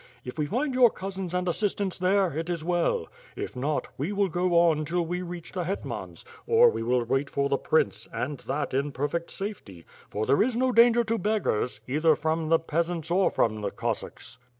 If we find your cousins and assistance there, it is well — if not, we will go on till we reach the hetmans, or we will wait for the prince, and that in perfect safety; for there is no danger to beggars, either from the peasants or from the Cossacks.